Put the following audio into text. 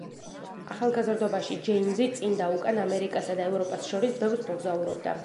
ახალგაზრდობაში ჯეიმზი, წინ და უკან, ამერიკასა და ევროპას შორის ბევრს მოგზაურობდა.